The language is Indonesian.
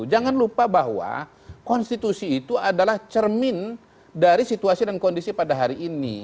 jangan lupa bahwa konstitusi itu adalah cermin dari situasi dan kondisi pada hari ini